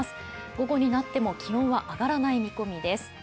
午後になっても気温は上がらない見込みです。